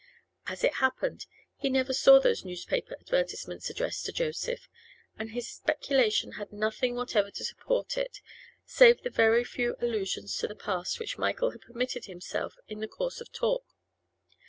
As it happened, he never saw those newspaper advertisements addressed to Joseph, and his speculation had nothing whatever to support it save the very few allusions to the past which Michael had permitted himself in the course of talk.